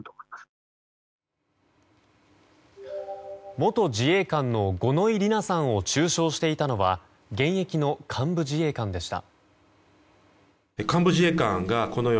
元自衛官の五ノ井里奈さんを中傷していたのは現役の幹部自衛官でした。